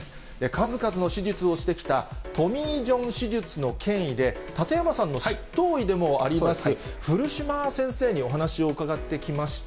数々の手術をしてきたトミー・ジョン手術の権威で、館山さんの執刀医でもあります、古島先生にお話を伺ってきました。